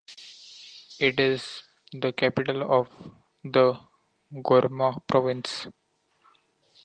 It is the capital of the Gourma province.